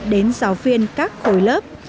đến giáo viên các khối lớp